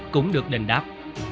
cũng được đình đáp